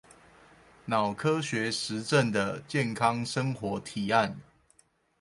腦科學實證的健康生活提案